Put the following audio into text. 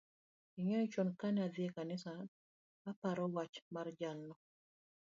ing'eyo ni chon ka na dhi e kanisa aparo wach mar jalno